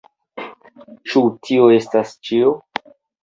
Ĉu tio estas ĉio?